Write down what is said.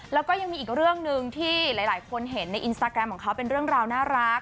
แล้วก็ยังมีอีกเรื่องหนึ่งที่หลายคนเห็นในอินสตาแกรมของเขาเป็นเรื่องราวน่ารัก